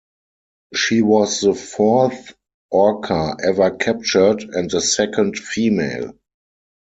She was the fourth orca ever captured, and the second female.